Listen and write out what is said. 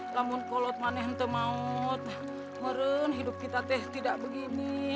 namun kalau mana yang mau ngeren hidup kita teh tidak begini